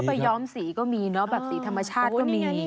ไปย้อมสีก็มีเนอะแบบสีธรรมชาติก็มี